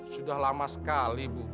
sudah lama sekali bu